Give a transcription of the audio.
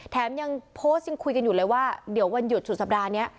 แถมยังโพสต์ยังคุยกันอยู่เลยว่าเดี๋ยววันหยุดสุดสัปดาห์นี้